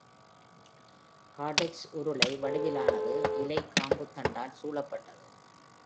காடெக்ஸ் உருளை வடிவிலானது, இலை காம்பு தண்டால் சூழப்பட்டது.